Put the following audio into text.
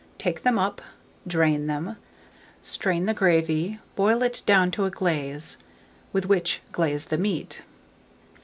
Take them up, drain them, strain the gravy, boil it down to a glaze, with which glaze the meat.